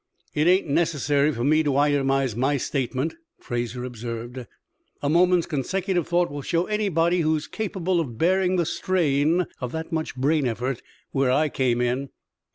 "It ain't necessary for me to itemize my statement," Fraser observed. "A moment's consecutive thought will show anybody who's capable of bearing the strain of that much brain effort where I came in."